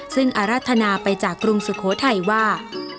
ซึ่งอรัฐนาไปจากกรุงสุโขทัยว่า